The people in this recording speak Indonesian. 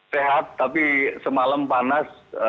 sehat tapi semalam panas